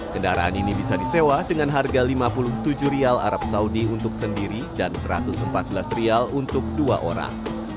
kendaraan ini bisa disewa dengan harga rp lima puluh tujuh arab saudi untuk sendiri dan rp satu ratus empat belas untuk dua orang